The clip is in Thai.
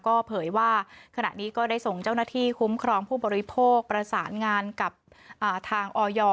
ก็เผยว่าขณะนี้ก็ได้ส่งเจ้าหน้าที่คุ้มครองผู้บริโภคประสานงานกับทางออย